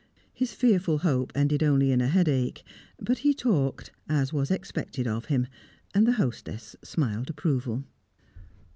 His fearful hope ended only in a headache, but he talked, as was expected of him, and the hostess smiled approval.